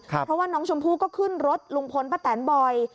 เพราะว่าน้องชมพู่ก็ขึ้นรถลุงพลป้าแตนบ่อย